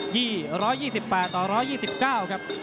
ยี่๑๒๘ต่อ๑๒๙ครับ